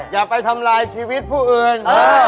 อย่าไปทำลายชีวิตผู้อื่น